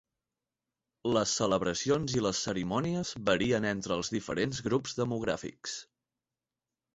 Les celebracions i les cerimònies varien entre els diferents grups demogràfics.